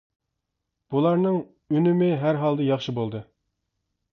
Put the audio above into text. بۇلارنىڭ ئۈنۈمى ھەر ھالدا ياخشى بولدى.